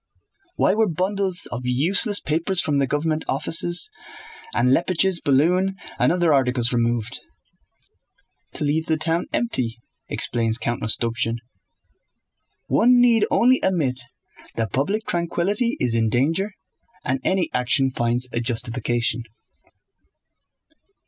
"Why were bundles of useless papers from the government offices, and Leppich's balloon and other articles removed?" "To leave the town empty," explains Count Rostopchín. One need only admit that public tranquillity is in danger and any action finds a justification.